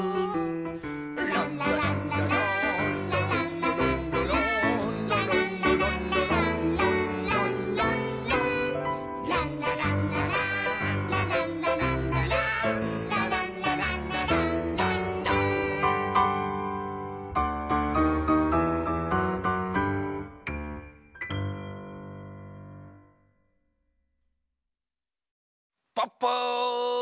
「ランラランラランラランラランラランラ」「ランラランラランランランランラン」「ランラランラランラランラランラランラ」「ランラランラランランラン」プップー！